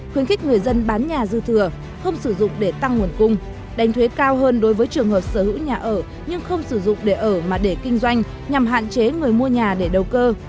khuyến khích người dân bán nhà dư thừa không sử dụng để tăng nguồn cung đánh thuế cao hơn đối với trường hợp sở hữu nhà ở nhưng không sử dụng để ở mà để kinh doanh nhằm hạn chế người mua nhà để đầu cơ